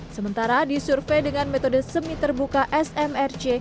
sementara di survei dengan metode semi terbuka smrc